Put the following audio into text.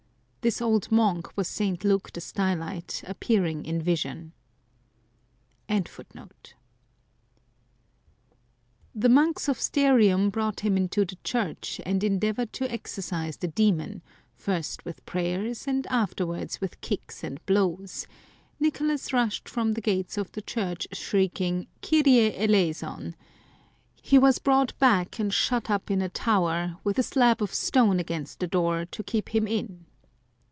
This old monk was St. Luke the Stylite, appearing in vision. i86 Some Crazy Saints monks of Sterium brought him into the church and endeavoured to exorcise the demon, first with prayers, and afterwards with kicks and blows, Nicolas rushed from the gates of the church shrieking, " Kyrie cleison !" He was brought back and shut up in a tower, with a stab of stone against the door, to keep him in.